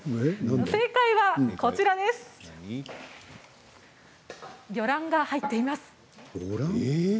正解は魚卵が入っています。